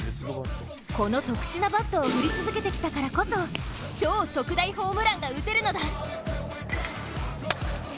この特殊なバットを振り続けてきたからこそ超特大ホームランが打てるのだ。